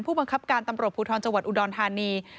ผู้บังคับการตำรวจภูทรจังหวัดอุดรธานี